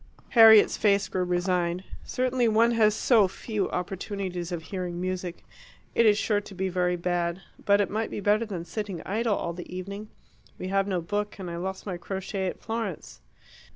Harriet's face grew resigned. "Certainly one has so few opportunities of hearing music. It is sure to be very bad. But it might be better than sitting idle all the evening. We have no book, and I lost my crochet at Florence."